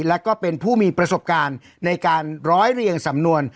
และก็เป็นผู้มีประสบการณ์ในการร้อยเรียงสำนวน